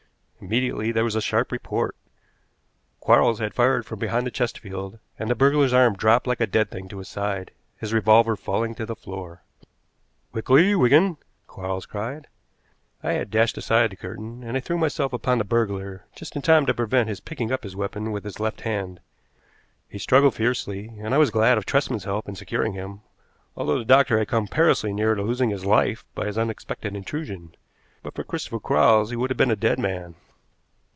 Immediately there was a sharp report. Quarles had fired from behind the Chesterfield, and the burglar's arm dropped like a dead thing to his side, his revolver falling to the floor. "Quickly, Wigan!" Quarles cried. I had dashed aside the curtain, and I threw myself upon the burglar just in time to prevent his picking up his weapon with his left hand. He struggled fiercely, and I was glad of Tresman's help in securing him, although the doctor had come perilously near to losing his life by his unexpected intrusion. But for Christopher Quarles he would have been a dead man.